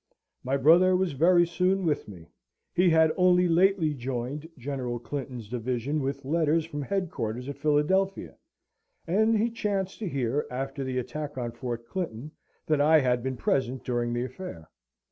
My brother was very soon with me. He had only lately joined General Clinton's division with letters from headquarters at Philadelphia, and he chanced to hear, after the attack on Fort Clinton, that I had been present during the affair.